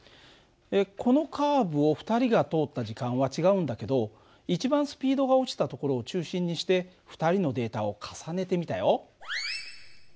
このカーブを２人が通った時間は違うんだけど一番スピードが落ちたところを中心にして２人のデータを重ねてみたよ。